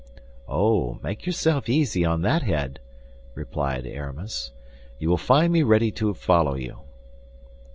"Oh, make yourself easy on that head," replied Aramis. "You will find me ready to follow you."